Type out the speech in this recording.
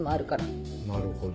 なるほど。